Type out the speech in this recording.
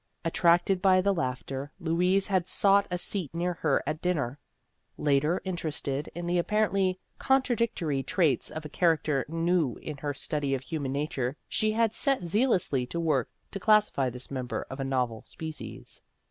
Attracted by the laughter, Louise had sought a seat near her at dinner ; later, in terested in the apparently contradictory traits of a character new in her study of human nature, she had set zealously to work to classify this member of a novel species.